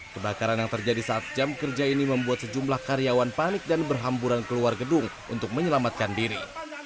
kebakaran yang terjadi saat jam kerja ini membuat sejumlah karyawan panik dan berhamburan keluar gedung untuk menyelamatkan diri